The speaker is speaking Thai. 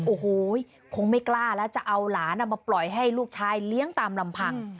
โอ้โหคงไม่กล้าแล้วจะเอาหลานมาปล่อยให้ลูกชายเลี้ยงตามลำพัง